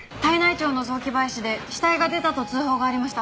町の雑木林で死体が出たと通報がありました。